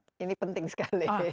nah ini penting sekali